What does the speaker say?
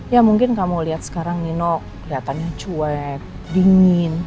ya mungkin kamu liat sekarang nino keliatannya cuek dingin